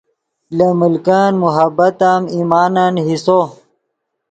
لے ملکن محبت ام ایمانن حصو